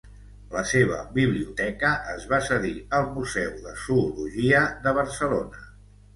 La seva biblioteca es va cedir al Museu de Zoologia de Barcelona.